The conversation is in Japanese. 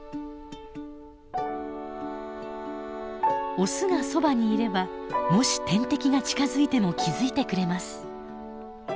オスがそばにいればもし天敵が近づいても気付いてくれます。